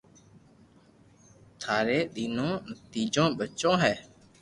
ٿاري نينو نينو ٻچو ھي